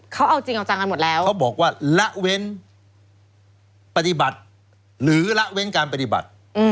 เขาเอาจริงเอาจังกันหมดแล้วเขาบอกว่าละเว้นปฏิบัติหรือละเว้นการปฏิบัติ